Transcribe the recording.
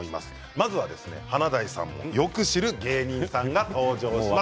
まずは華大さんもよく知る芸人さんが登場します。。